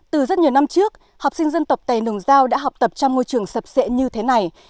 từ rất nhiều năm trước học sinh dân tộc tài nùng giao đã học tập trong môi trường sập sệ như thế này